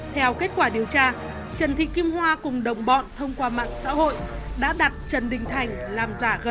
theo kết quả điều tra trần thị kim hoa cùng đồng bọn thông qua mạng xã hội đã đặt trần đình thành làm giấy tờ giả